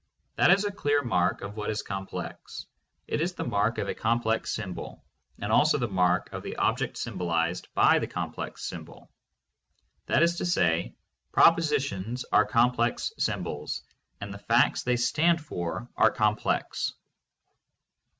That is a clear mark of what is complex. It is the mark of a complex symbol, and also the mark of the object symbolized by the complex symbol. That is to say, propositions are complex symbols, and the facts they stand for are complex.